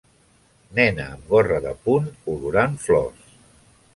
Nena amb gorra de punt, olorant flors.